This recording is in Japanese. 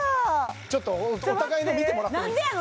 ちょっとお互いの見てもらってもなんでやの！